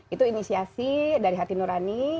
itu inisiasi dari hati nurani